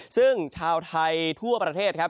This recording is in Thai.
ซึ่งชาวไทยทั่วประเทศครับ